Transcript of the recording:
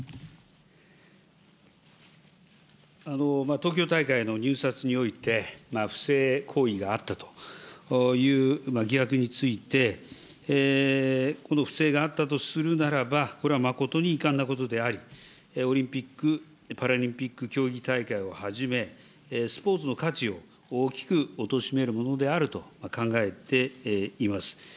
東京大会の入札において、不正行為があったという疑惑について、この不正があったとするならば、これは誠に遺憾なことであり、オリンピック・パラリンピック競技大会をはじめ、スポーツの価値を大きくおとしめるものであると考えています。